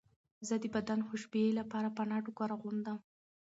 زه د بدن خوشبویۍ لپاره پنبه ټوکر اغوندم.